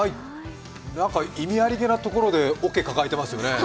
意味ありげなところでおけ、抱えてますよね。